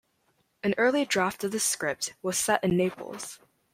An early draft of the script was set in Naples.